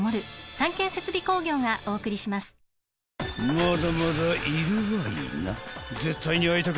［まだまだいるわいな］